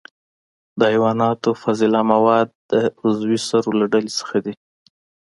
د حیواناتو فضله مواد د عضوي سرو له ډلې څخه دي.